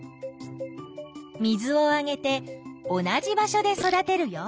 水をあげて同じ場所で育てるよ。